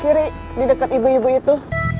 kiri di dekat ibu ibu itu